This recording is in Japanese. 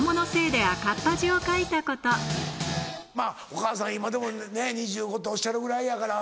お母さん今でもね２５っておっしゃるぐらいやから。